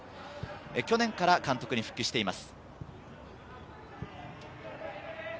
去年から監督に復帰しています。